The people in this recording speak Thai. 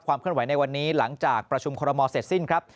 เคลื่อนไหวในวันนี้หลังจากประชุมคอรมอลเสร็จสิ้นครับ